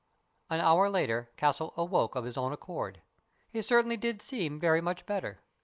An hour later Castle awoke of his own accord. He certainly did seem very much better.